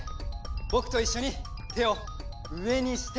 ぼくといっしょにてをうえにして。